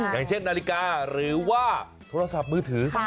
อย่างเช่นนาฬิกาหรือว่าโทรศัพท์มือถือ